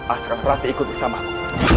asalkan perhatian ikut bersama aku